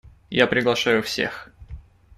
Я приглашаю всех.